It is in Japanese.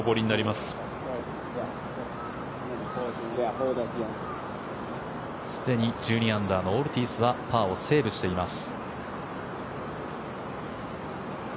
すでに１２アンダーのオルティーズはパーをセーブしています。